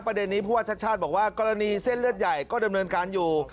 ประเด็นนี้ผู้ว่าชาติชาติบอกว่ากรณีเส้นเลือดใหญ่ก็ดำเนินการอยู่